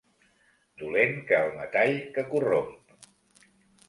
Dolent que el metall que corromp.